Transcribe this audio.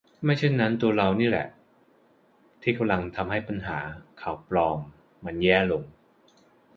ไม่เช่นนั้นตัวเราเองนี่แหละที่กำลังทำให้ปัญหา ข่าวปลอม มันแย่ลง